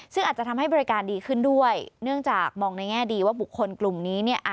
ซึ่งอาจจะทำให้บริการดีขึ้นด้วย